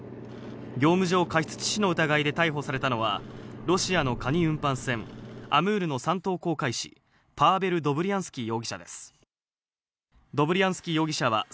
業務上過失致死の疑いで逮捕されたのは、ロシアのカニ運搬船アムールの三等航海士、パーベル・ドブリアンスキー容疑者です。